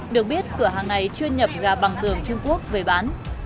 được biết cửa hàng này chuyên nhập gà bằng tường trung quốc về bán